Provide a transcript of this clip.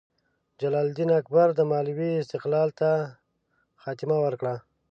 جلال الدین اکبر د مالوې استقلال ته خاتمه ورکړه.